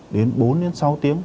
đến bốn đến sáu tiếng